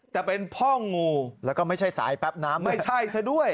แต่เป็นพ่องูแล้วก็ไม่ใช่สายแป๊บน้ำไม่ใช่ซะด้วย